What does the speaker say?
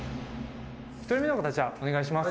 １人目の方じゃあお願いします。